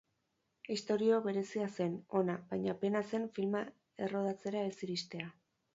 Istorio berezia zen, ona, baina pena zen filma errodatzera ez iristea.